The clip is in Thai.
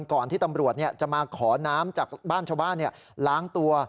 ก่อนที่ตำรวจจะมาขอน้ำจากบ้านชาวบ้านล้างตัว